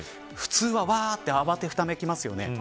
普通は慌てふためきますよね。